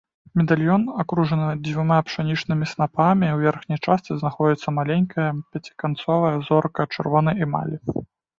Медальён акружаны дзвюма пшанічнымі снапамі, у верхняй частцы знаходзіцца маленькая пяціканцовая зорка чырвонай эмалі.